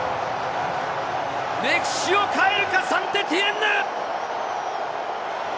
歴史を変えるかサンテティエンヌ！